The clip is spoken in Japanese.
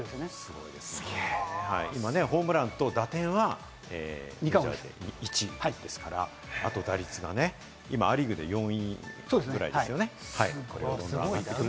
ホームランと打点はメジャーで１位ですから、あと打率がね、今ア・リーグで４位ぐらいですよね。